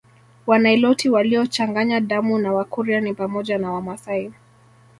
Waniloti waliochanganya damu na Wakurya ni pamoja na Wamasai